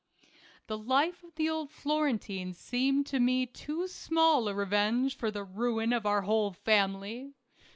The life of the old Florentine seemed to me too small a revenge for the ruin of our whole family.